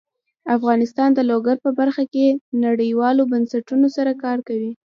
افغانستان د لوگر په برخه کې نړیوالو بنسټونو سره کار کوي.